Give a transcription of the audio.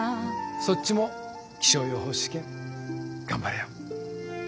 そっちも気象予報士試験頑張れよ。